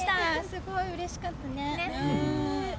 すごいうれしかったね。